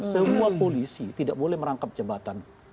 semua polisi tidak boleh merangkap jabatan